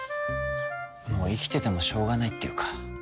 もう生きててもしょうがないっていうか。